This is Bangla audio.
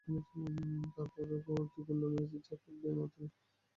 আর তারপরও তুই গুন্ডামি, এসিড আর চাকুর খেলায় মেতে উঠলি।